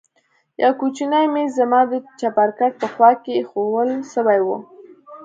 يو کوچنى ميز زما د چپرکټ په خوا کښې ايښوول سوى و.